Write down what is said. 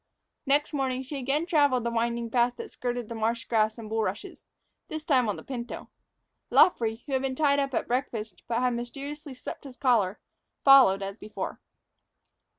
Next morning she again traveled the winding path that skirted the marsh grass and bulrushes, this time on the pinto. Luffree, who had been tied up at breakfast, but had mysteriously slipped his collar, followed, as before.